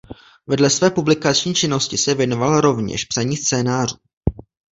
Vedle své publikační činnosti se věnoval rovněž psaní scénářů.